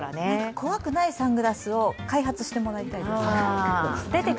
怖くないサングラスを開発してもらいたいです。